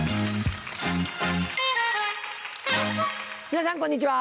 皆さんこんにちは。